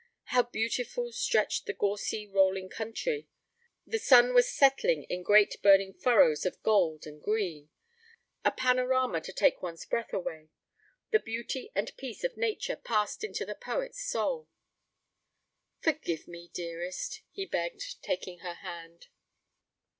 How beautiful stretched the gorsy rolling country! The sun was setting in great burning furrows of gold and green a panorama to take one's breath away. The beauty and peace of Nature passed into the poet's soul. 'Forgive me, dearest,' he begged, taking her hand.